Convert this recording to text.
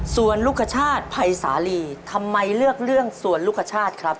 ส่วนลูกคชาติภัยสาลีทำไมเลือกเรื่องสวนลูกคชาติครับ